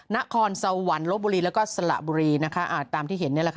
นครสวรรค์ลบบุรีแล้วก็สละบุรีนะคะตามที่เห็นนี่แหละค่ะ